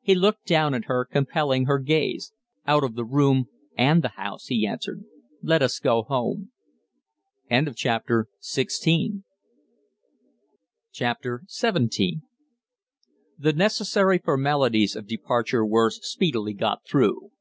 He looked down at her, compelling her gaze. "Out of the room and the house," he answered. "Let us go home." XVII The necessary formalities of departure were speedily got through.